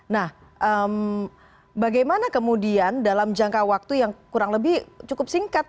nah bagaimana kemudian dalam jangka waktu yang kurang lebih cukup singkat